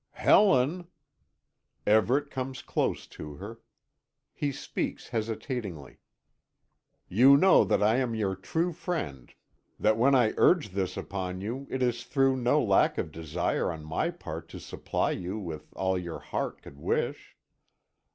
"Helen." Everet comes close to her. He speaks hesitatingly. "You know that I am your true friend, that when I urge this upon you it is through no lack of desire on my part to supply you with all your heart could wish.